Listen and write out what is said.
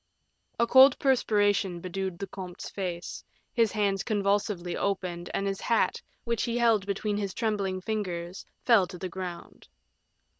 A cold perspiration bedewed the comte's face, his hands convulsively opened, and his hat, which he held between his trembling fingers, fell to the ground.